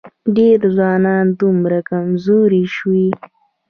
ډېری ځوانان دومره کمزوري شوي